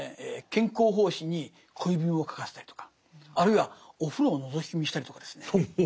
兼好法師に恋文を書かせたりとかあるいはお風呂をのぞき見したりとかですね